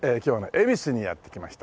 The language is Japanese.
恵比寿にやってきました。